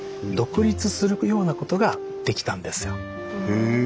へえ。